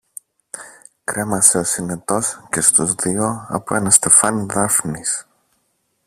Κρέμασε ο Συνετός και στους δυο από ένα στεφάνι δάφνης.